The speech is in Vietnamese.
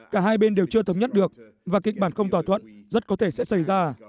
cả hai bên đều chưa thống nhất được và kịch bản không thỏa thuận rất có thể sẽ xảy ra